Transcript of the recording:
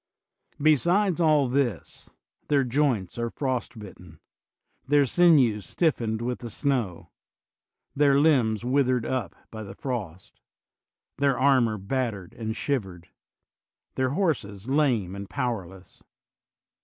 Besides all this, their joints are frost bitten, their sinews stiffened with the snow, their limbs withered up by the frost, their armor battered and shivered, 4 PUBLIUS CORNELIUS SCIPIO their horses lame and powerless.